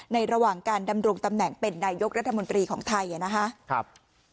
ระหว่างการดำรงตำแหน่งเป็นนายกรัฐมนตรีของไทยนะครับ